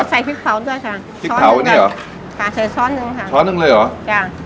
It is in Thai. อะไรอีกครับใส่พริกเผาด้วยค่ะพริกเผาอันนี้เหรอใช้ช้อนหนึ่งค่ะช้อนหนึ่งเลยเหรอจ้ะ